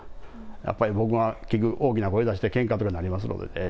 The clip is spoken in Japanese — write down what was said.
やっぱり僕が結局大きな声出してけんかとかになりますのでね。